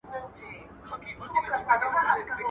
o بزه په خپلو ښکرو نه درنېږي.